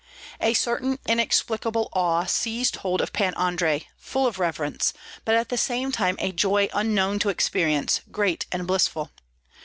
A certain inexplicable awe seized hold of Pan Andrei, full of reverence, but at the same time a joy unknown to experience, great and blissful.